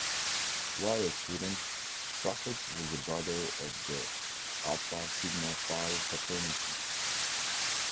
While a student, Buffett was a brother of the Alpha Sigma Phi Fraternity.